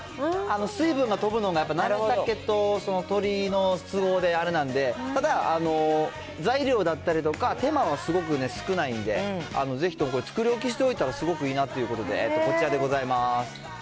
水分が飛ぶのが、やっぱりなめたけと鶏の都合であれなんで、ただ、材料だったりとか、手間はすごく少ないんで、ぜひともこれ、作り置きしておいたらすごくいいなっていうことで、えっと、こちらでございます。